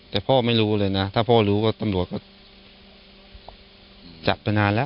แต่พ่อไม่รู้เลยนะถ้าพ่อรู้ก็ตำรวจก็จับไปนานแล้ว